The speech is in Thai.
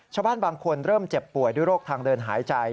ชาวบ้านบางคนเริ่มเจ็บป่วยด้วยโรคทางเดินหายใจ